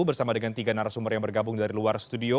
bersama dengan tiga narasumber yang bergabung dari luar studio